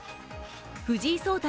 藤井聡太